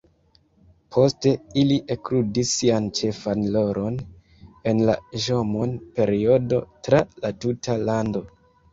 Poste ili ekludis sian ĉefan rolon en la Ĵomon-periodo tra la tuta lando.